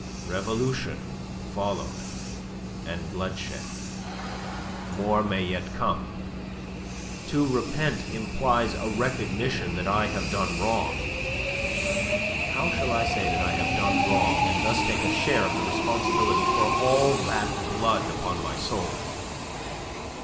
Revolution followed and bloodshed. More may yet come. To repent implies a recognition that I have done wrong. How shall I say that I have done wrong, and thus take a share of the responsibility for all that blood upon my soul?